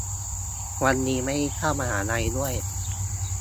วันนี้ไม่ได้เข้ามหาลัยด้วย